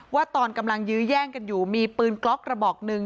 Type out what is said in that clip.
ว่าตอนกำลังยื้อแย่งกันอยู่มีปืนกล็อกกระบอกหนึ่ง